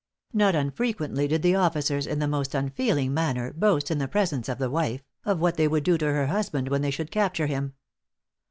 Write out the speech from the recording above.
Not unfrequently did the officers, in the most unfeeling manner, boast in the presence of the wife, of what they would do to her husband when they should capture him.